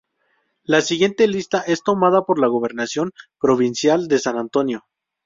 La siguiente lista es tomada de la Gobernación Provincial de San Antonio.